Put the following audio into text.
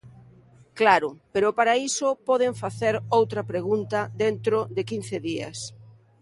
Claro, pero para iso poden facer outra pregunta dentro de quince días.